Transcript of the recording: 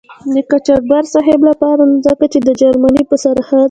د قاچاقبر صاحب له پاره ځکه چې د جرمني په سرحد.